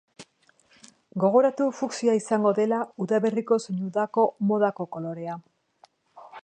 Gogoratu, fuksia izango dela udaberriko zein udako modako kolorea.